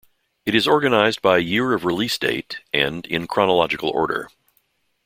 It is organized by "year of release date" and in "chronological order".